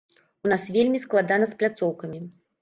У нас вельмі складана з пляцоўкамі.